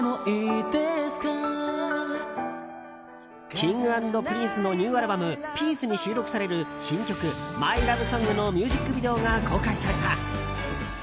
Ｋｉｎｇ＆Ｐｒｉｎｃｅのニューアルバム「ピース」に収録される新曲「ＭｙＬｏｖｅＳｏｎｇ」のミュージックビデオが公開された。